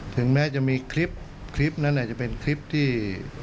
ถึงแม้จะมีคลิปเครียมคลิปนั้นจะเป็นคลิปที่